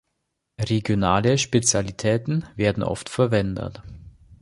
Regionale Spezialitäten werden oft verwendet.